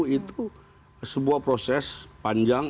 itu sebuah proses panjang